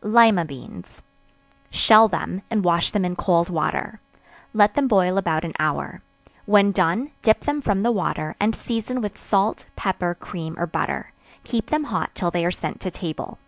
Lima Beans. Shell them, and wash them in cold water; let them boil about an hour; when done, dip them from the water, and season with salt, pepper, cream or butter; keep them hot till they are sent to table.